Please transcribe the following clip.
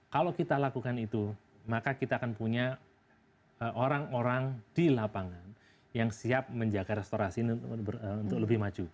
kalau kita lakukan itu maka kita akan punya orang orang di lapangan yang siap menjaga restorasi untuk lebih maju